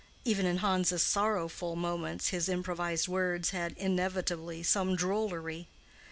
Even in Hans's sorrowful moments, his improvised words had inevitably some drollery.